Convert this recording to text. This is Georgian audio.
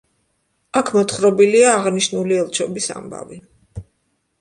აქ მოთხრობილია აღნიშნული ელჩობის ამბავი.